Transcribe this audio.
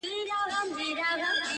ه کټ مټ لکه ستا غزله~